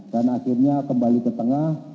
dan akhirnya kembali ke tengah